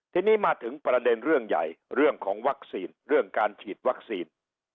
ทีนี้มาถึงประเด็นเรื่องใหญ่เรื่องของวัคซีนเรื่องการฉีดวัคซีน